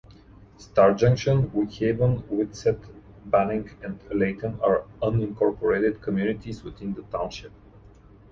Star Junction, Wickhaven, Whitsett, Banning and Layton are unincorporated communities within the township.